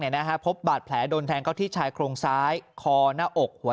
เนี่ยนะฮะพบบาดแผลโดนแทงก็ที่ชายโครงซ้ายคอหน้าอกหัว